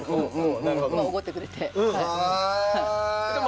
おごってくれて。